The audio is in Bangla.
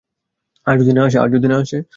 আর যদি না আসে?